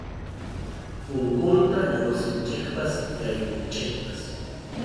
Punkunta lluqsinchikpas yaykunchikpas.